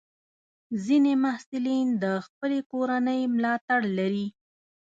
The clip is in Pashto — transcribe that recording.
ځینې محصلین د خپلې کورنۍ ملاتړ لري.